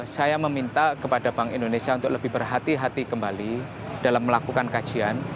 saya meminta kepada bank indonesia untuk lebih berhati hati kembali dalam melakukan kajian